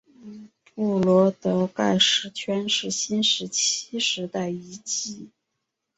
布罗德盖石圈是新石器时代遗迹。